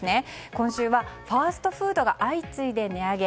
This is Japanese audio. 今週はファストフードが相次いで値上げ。